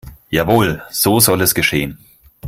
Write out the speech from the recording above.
Jawohl, so soll es geschehen.